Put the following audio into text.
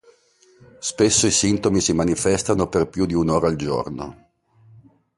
Spesso i sintomi si manifestano per più di un'ora al giorno.